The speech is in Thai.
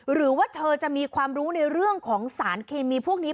หรือว่าเธอจะมีความรู้ในเรื่องของสารเคมีพวกนี้